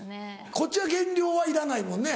こっちは減量はいらないもんね？